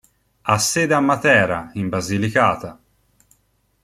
Ha sede a Matera, in Basilicata.